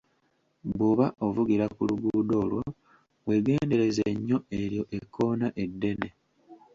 Bw'oba ovugira ku luguudo olwo, weegendereze nnyo eryo ekkoona eddene.